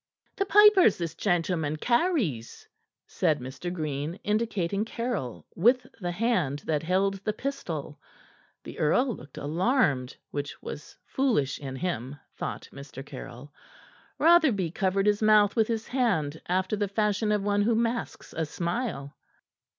"The papers this gentleman carries," said Mr. Green, indicating Caryll with the hand that held the pistol. The earl looked alarmed, which was foolish in him, thought Mr. Caryll. Rotherby covered his mouth with his hand, after the fashion of one who masks a smile.